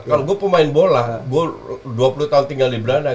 kalau gue pemain bola gue dua puluh tahun tinggal di belanda